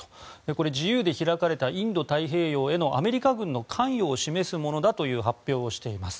これ、自由で開かれたインド太平洋へのアメリカ軍の関与を示すものだという発表をしています。